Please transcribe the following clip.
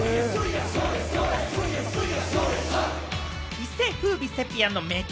一世風靡セピアの名曲